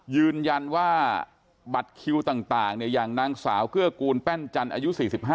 ยืนยันว่าบัตรคิวต่างอย่างนางสาวเกื้อกูลแป้นจันทร์อายุ๔๕